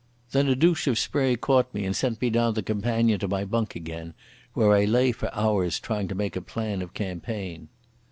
Then a douche of spray caught me and sent me down the companion to my bunk again, where I lay for hours trying to make a plan of campaign.